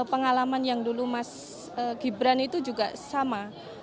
pengalaman yang dulu mas gibran itu juga sama